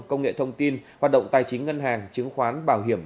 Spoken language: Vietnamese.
công nghệ thông tin hoạt động tài chính ngân hàng chứng khoán bảo hiểm